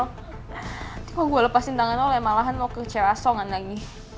nanti kalau gue lepasin tangan lo malahan mau ke cerah songan lagi